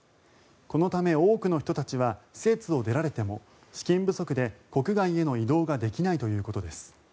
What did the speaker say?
このため、多くの人たちは施設を出られても資金不足で国外への移動ができないということです。